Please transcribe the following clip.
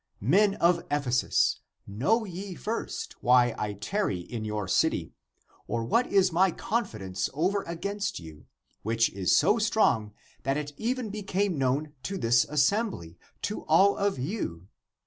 Men of Ephesus, know ye first why I tarry in your city, or what is my confidence over against you, which is so strong that it even became known to this assembly, to all of you.